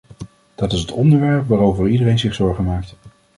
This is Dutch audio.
Dat is het onderwerp waarover iedereen zich zorgen maakt.